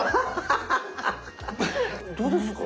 どうですか？